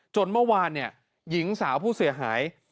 จนเมื่อวานหญิงสาวผู้เสียหาย